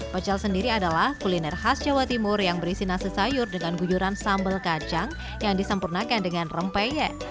pecel sendiri adalah kuliner khas jawa timur yang berisi nasi sayur dengan guyuran sambal kacang yang disempurnakan dengan rempeyek